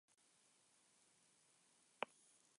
Es un pez costero bento-pelágico y asociado a arrecifes.